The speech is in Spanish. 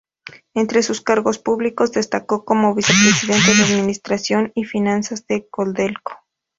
Entre sus cargos públicos destacó como vicepresidente de administración y finanzas de Codelco.